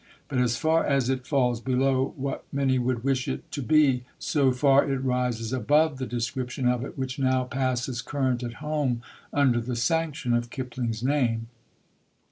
But as far as it falls below what many would wish it to be, so far it rises above the description of it which now passes current at home under the sanction of Kipling's name....